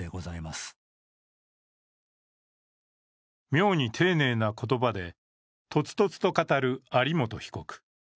妙に丁寧な言葉で、とつとつと語る有本被告。